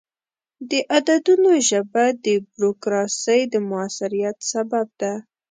د عددونو ژبه د بروکراسي د موثریت سبب ده.